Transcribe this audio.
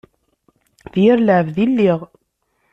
D yir lɛebd i lliɣ.